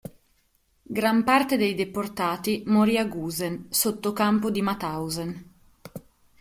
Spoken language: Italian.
Gran parte dei deportati morì a Gusen, sottocampo di Mauthausen.